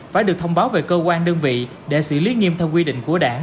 phải được thông báo về cơ quan đơn vị để xử lý nghiêm theo quy định của đảng